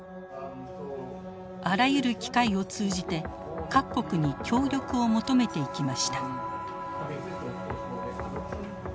あらゆる機会を通じて各国に協力を求めていきました。